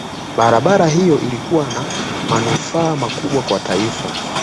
barabara hiyo ilikuwa na manufaa makubwa kwa taifa